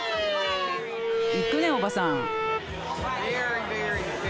いくねおばさん。